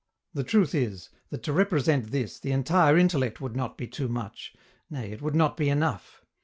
The truth is, that to represent this the entire intellect would not be too much nay, it would not be enough.